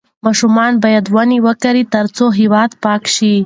ماشومان باید ونې وکرې ترڅو هوا پاکه شي.